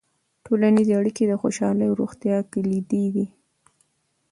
ټولنیزې اړیکې د خوشحالۍ او روغتیا کلیدي دي.